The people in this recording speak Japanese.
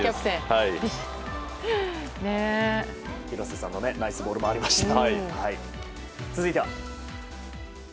廣瀬さんのナイスボールもありました。